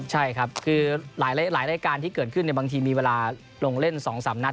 ใช่ครับคือหลายรายการที่เกิดขึ้นบางทีมีเวลาลงเล่น๒๓นัด